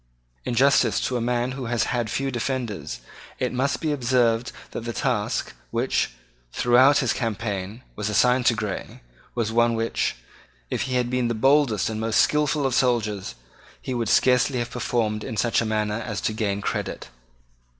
In justice to a man who has had few defenders, it must be observed that the task, which, throughout this campaign, was assigned to Grey, was one which, if he had been the boldest and most skilful of soldiers, he would scarcely have performed in such a manner as to gain credit.